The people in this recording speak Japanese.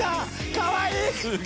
かわいい！